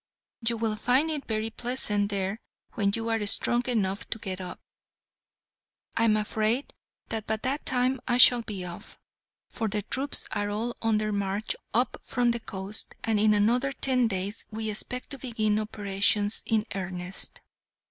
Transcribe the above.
You will find it very pleasant there when you are strong enough to get up. I am afraid that by that time I shall be off, for the troops are all on their march up from the coast, and in another ten days we expect to begin operations in earnest."